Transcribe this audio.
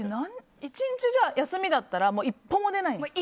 １日、休みだったら一歩も出ないんですか？